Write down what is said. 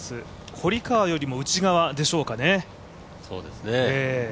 堀川よりも内側でしょうかね。